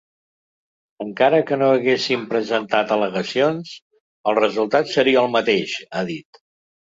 Encara que no haguéssim presentat al·legacions, el resultat seria el mateix, ha dit.